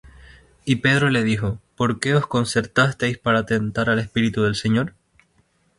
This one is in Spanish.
Y Pedro le dijo: ¿Por qué os concertasteis para tentar al Espíritu del Señor?